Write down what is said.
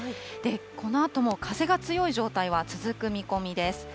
このあとも風が強い状態は続く見込みです。